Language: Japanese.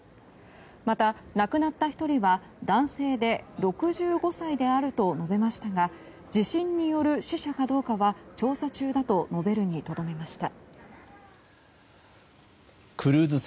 また、亡くなった１人は男性で６５歳であると述べましたが地震による死者かどうかは調査中だと述べるにとどめました。